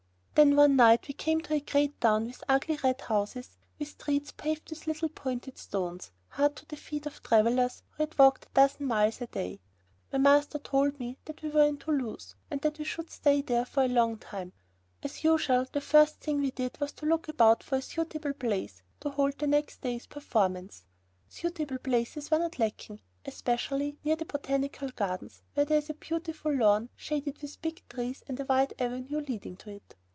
Then one night we came to a great town with ugly red brick houses and with streets paved with little pointed stones, hard to the feet of travelers who had walked a dozen miles a day. My master told me that we were in Toulouse and that we should stay there for a long time. As usual, the first thing we did was to look about for a suitable place to hold the next day's performance. Suitable places were not lacking, especially near the Botanical Gardens, where there is a beautiful lawn shaded with big trees and a wide avenue leading to it.